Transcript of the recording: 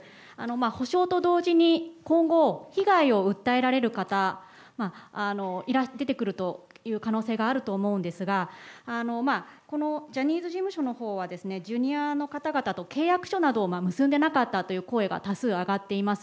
補償と同時に今後、被害を訴えられる方、出てくるという可能性があると思うんですが、このジャニーズ事務所のほうはジュニアの方々と契約書などを結んでなかったという声が多数上がっています。